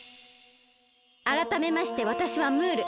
あらためましてわたしはムール。